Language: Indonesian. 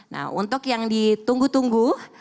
nah untuk yang ditunggu tunggu